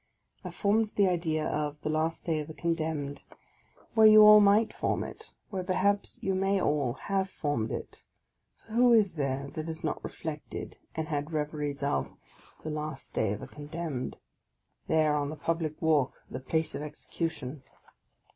I formed the idea of " The Last Day of a Condemned " where you all might form it, — where perhaps you may all have formed it (for who is there that has not reflected and had reveries of " the M. VICTOR HUGO 25 last day of a condemned ?")— there, on the public walk, the place of execution